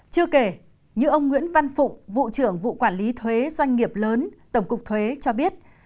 chưa kể như ông nguyễn văn phụng vụ trưởng vụ quản lý thuế doanh nghiệp lớn tổng cục thuế cho biết